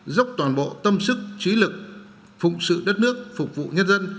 dốc toàn bộ tâm sức trí lực phụng sự đất nước phục vụ nhân dân